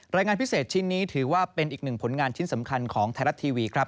รายงานพิเศษชิ้นนี้ถือว่าเป็นอีกหนึ่งผลงานชิ้นสำคัญของไทยรัฐทีวีครับ